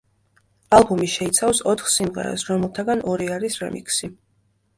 ალბომი შეიცავს ოთხ სიმღერას, რომელთაგან ორი არის რემიქსი.